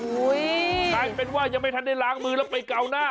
กลายเป็นว่ายังไม่ทันได้ล้างมือแล้วไปเกาหน้า